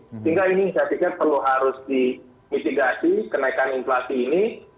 sehingga ini saya pikir perlu harus dimitigasi kenaikan inflasi ini